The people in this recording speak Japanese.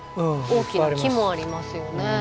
大きな木もありますよね。